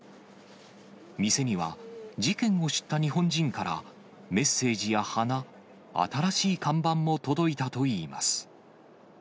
店には、事件を知った日本人から、メッセージや花、新しい看板も届いたといいます。